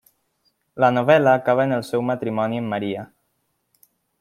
La novel·la acaba amb el seu matrimoni amb Maria.